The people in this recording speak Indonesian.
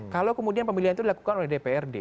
kalau kemudian pemilihan itu dilakukan oleh dprd